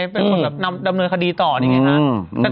แล้วหัววงดแรงอยี่ไหมเป็นคนแบบนำดำเนินคดีต่ออย่างไงคะ